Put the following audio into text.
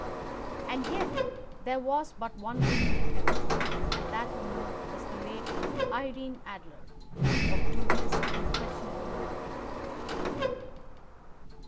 And yet there was but one woman to him, and that woman was the late Irene Adler, of dubious and questionable memory.